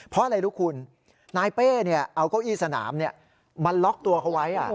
เพราะอะไรรู้คุณนายเป้เอาเก้าอี้สนามมาล็อกตัวเขาไว้